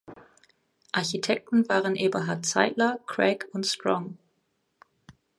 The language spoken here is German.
Architekten waren Eberhard Zeidler, Craig und Strong.